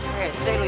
pese lu ya